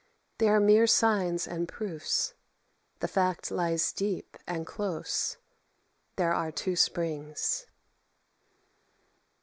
They are mere signs and proofs; the fact lies deep and close; there are two springs.